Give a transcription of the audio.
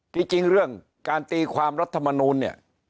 จริงเรื่องการตีความรัฐมนูลเนี่ย